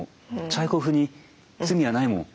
チャイコフに罪はないもん。